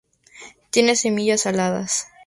Tiene semillas aladas.